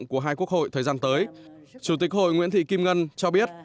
của hai quốc hội thời gian tới chủ tịch hội nguyễn thị kim ngân cho biết